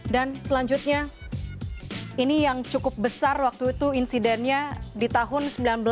dan selanjutnya ini yang cukup besar waktu itu insidennya di tahun seribu sembilan ratus sembilan puluh tujuh